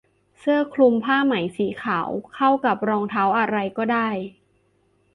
เสื้อคลุมผ้าไหมสีขาวเข้ากับรองเท้าอะไรก็ได้